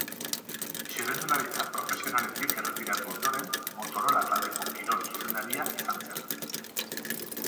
Txirrindularitza profesionaletik erretiratu ondoren Motorola taldeko kirol zuzendaria izan zen.